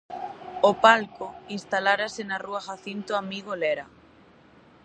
O palco instalarase na rúa Jacinto Amigo Lera.